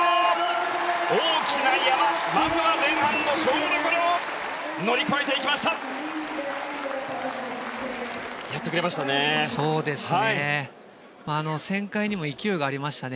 大きな山まずは前半の勝負どころ乗り越えていきました。